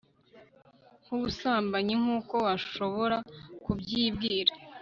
nk'ubusambanyi. nk'uko washobora kubyibwira